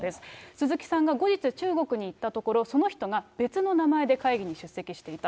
鈴木さんが後日、中国に行ったところ、その人が別の名前で会議に出席していた。